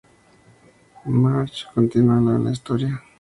Marge continúa con la historia.